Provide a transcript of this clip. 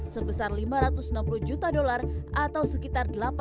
sebesar lima ratus enam puluh juta dolar atau sekitar delapan lima triliun rupiah